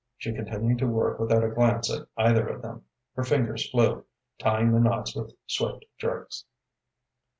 She continued to work without a glance at either of them. Her fingers flew, tying the knots with swift jerks.